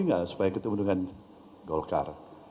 enggak supaya ketemu dengan golkar